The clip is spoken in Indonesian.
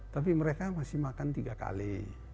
tapi mereka masih makan tiga kali